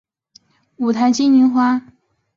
五台金银花